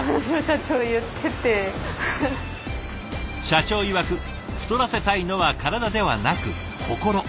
社長いわく太らせたいのは体ではなく心。